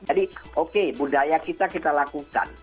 jadi oke budaya kita kita lakukan